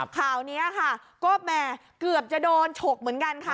ข่าวนี้ค่ะก็แหม่เกือบจะโดนฉกเหมือนกันค่ะ